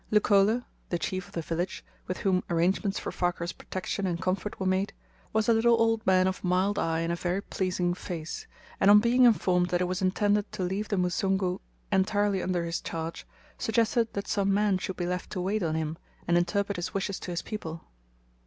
Leucole, the chief of the village, with whom arrangements for Farquhar's protection and comfort were made, was a little old man of mild eye and very pleasing face, and on being informed that it was intended to leave the Musungu entirely under his charge, suggested that some man should be left to wait on him, and interpret his wishes to his people.